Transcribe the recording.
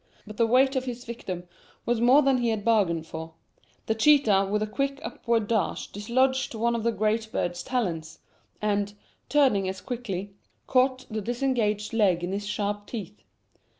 But the weight of his victim was more than he had bargained for; the cheetah with a quick upward dash dislodged one of the great bird's talons, and, turning as quickly, caught the disengaged leg in his sharp teeth.